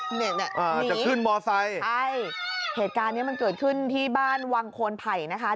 จะขึ้นมอเฟย์ใช่เหตุการณ์นี้มันเกิดขึ้นที่บ้านวังโคนไผ่นะคะ